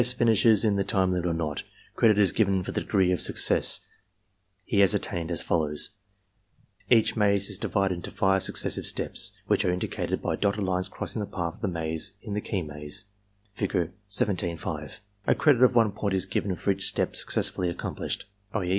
finishes in the time limit or not, credit is given for the degree of success he has attained as follows: Each maze EXAMINER'S GUIDE 115 IS divided into five successive steps, which are indicated by dotted Unes crossing the path of the maze in the key maze, Fig. 17 (5). A credit of 1 point is given for each step success fully accomplished; i.